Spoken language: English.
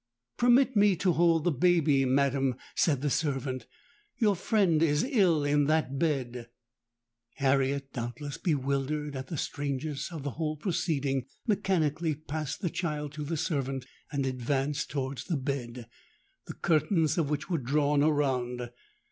'Permit me to hold the baby, madam,' said the servant; 'your friend is ill in that bed.'—Harriet, doubtless bewildered at the strangeness of the whole proceeding, mechanically passed the child to the servant, and advanced towards the bed, the curtains of which were drawn around.